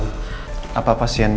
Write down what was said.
tidak ada taniman